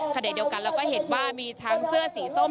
ขณะเดียวกันเราก็เห็นว่ามีทั้งเสื้อสีส้ม